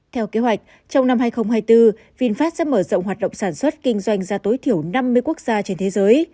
theo kế hoạch trong năm hai nghìn hai mươi bốn vinfast sẽ mở rộng hoạt động sản xuất kinh doanh ra tối thiểu năm mươi quốc gia trên thế giới